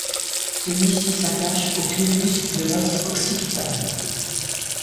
Celui-ci s'attache au clivus de l'os occipital.